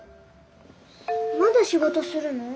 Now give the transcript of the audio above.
まだ仕事するの？